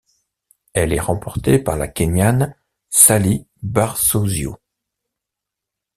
Elle est remportée par la Kényane Sally Barsosio.